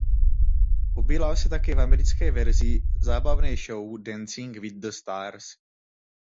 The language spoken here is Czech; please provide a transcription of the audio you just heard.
Objevila se také v americké verzi zábavné show "Dancing with the Stars".